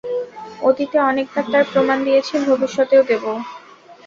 অতীতে অনেক বার তার প্রমাণ দিয়েছি, ভবিষ্যতেও দেব।